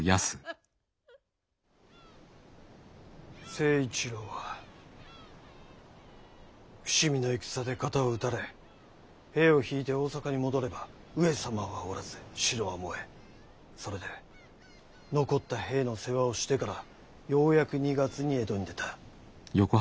成一郎は伏見の戦で肩を撃たれ兵を退いて大坂に戻れば上様はおらず城は燃えそれで残った兵の世話をしてからようやく２月に江戸に出た。